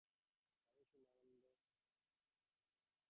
স্বামী শুদ্ধানন্দ, বিরজানন্দ ও স্বরূপানন্দ এই ক্লাসে প্রধান জিজ্ঞাসু।